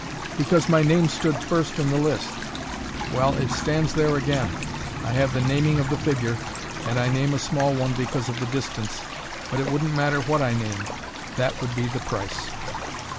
Because my name stood first in the list. Well it stands there again; I have the naming of the figure, and I name a small one because of the distance: but it wouldn't matter what I named; that would be the price."